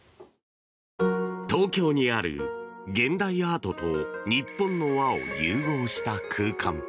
東京にある現代アートと日本の和を融合した空間。